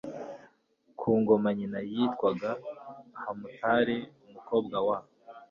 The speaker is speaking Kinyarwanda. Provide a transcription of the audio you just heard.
ku ngoma Nyina yitwaga Hamutali umukobwa wa